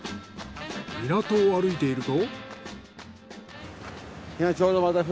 港を歩いていると。